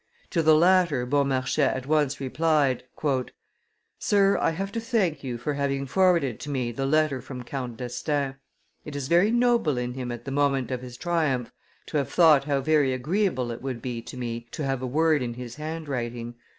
To the latter Beaumarchais at once replied: "Sir, I have to thank you for having forwarded to me the letter from Count d'Estaing. It is very noble in him at the moment of his triumph to have thought how very agreeable it would be to me to have a word in his handwriting.